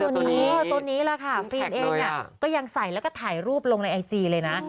นี่ไงเสื้อตัวนี้มันแข็กเลยอะฟิล์มเองก็ยังใส่แล้วก็ถ่ายรูปลงในไอจีเลยนะ